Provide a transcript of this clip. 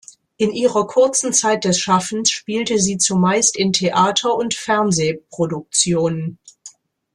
In ihrer kurzen Zeit des Schaffens, spielte sie zumeist in Theater- und Fernsehproduktionen.